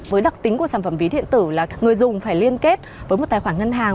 với đặc tính của sản phẩm ví điện tử là người dùng phải liên kết với một tài khoản ngân hàng